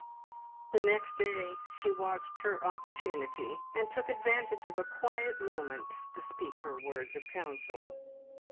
The next day she watched her opportunity, and took advantage of a quiet moment to speak her words of counsel.